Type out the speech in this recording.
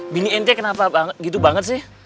bini nt kenapa gitu banget sih